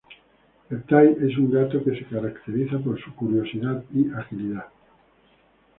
El thai es un gato que se caracteriza por su curiosidad y agilidad.